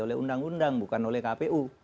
oleh undang undang bukan oleh kpu